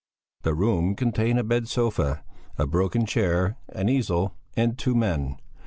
The room contained a bed sofa, a broken chair, an easel, and two men.